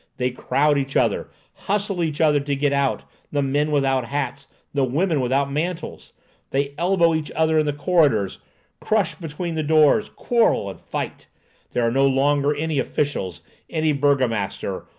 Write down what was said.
They crowd each other, hustle each other to get out—the men without hats, the women without mantles! They elbow each other in the corridors, crush between the doors, quarrel, fight! There are no longer any officials, any burgomaster.